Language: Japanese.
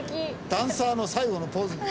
ダンサーの最後のポーズみたい。